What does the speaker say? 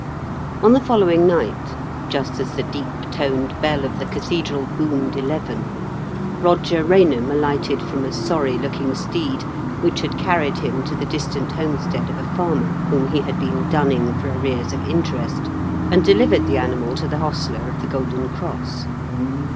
On the following night, just as the deep toned bell of the cathedral boomed eleven, Eoger Eainham alighted from a sony looking steed, which had carried him to the distant homestead of a farmer, whom he had been dunning for arrears of interest, and delivered the animal to the hostler of The Golden Cross.